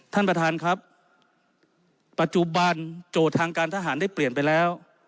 ท่านประธานครับปัจจุบันโจทย์ทางการทหารได้เปลี่ยนไปแล้ว